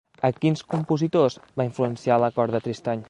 A quins compositors va influenciar l'acord de Tristany?